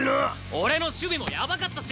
俺の守備もやばかったし！